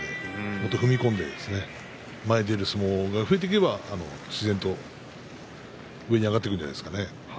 もっと踏み込んで前に出る相撲が増えてくれば自然と上に上がってくるんじゃないですかね。